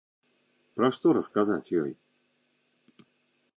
Пра што расказаць ёй?